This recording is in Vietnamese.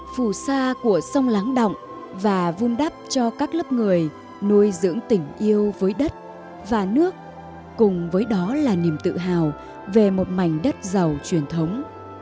phù sa của sông láng động và vun đắp cho các lớp người nuôi dưỡng tình yêu với đất và nước cùng với đó là niềm tự hào về một mảnh đất giàu truyền thống